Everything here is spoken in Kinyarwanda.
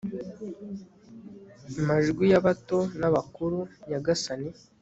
majwi y'abato n'abakuru nyagasani